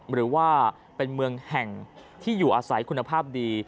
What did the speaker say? หรือว่าเป็นเมืองแห่งที่อยู่อาศัยคุณภาพดี